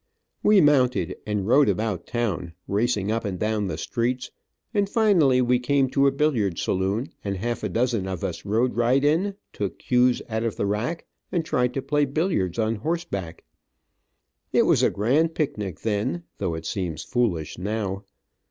We mounted, and rode about town, racing up and down the streets, and finally we came to a billiard saloon, and half a dozen of us rode right in, took cues out of the rack, and tried to play billiards on horse back. It was a grand picnic then, though it seems foolish now.